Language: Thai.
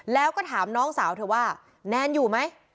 แล้วก็ถามน้องสาวเธอว่าแนนอยู่ไหม